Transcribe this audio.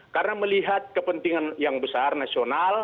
karena melihat kepentingan yang besar nasional